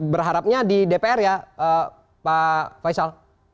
berharapnya di dpr ya pak faisal